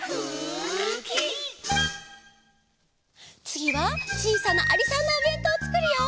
つぎはちいさなありさんのおべんとうをつくるよ。